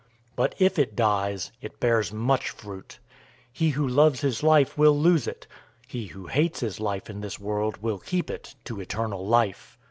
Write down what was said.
But if it dies, it bears much fruit. 012:025 He who loves his life will lose it. He who hates his life in this world will keep it to eternal life.